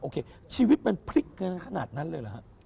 โอเคชีวิตมันพลิกขนาดนั้นเลยหรือฮะ